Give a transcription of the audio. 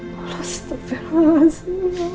ya allah setepatlah semua